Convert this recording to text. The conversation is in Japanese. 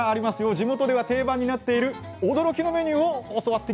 地元では定番になっている驚きのメニューを教わってきました。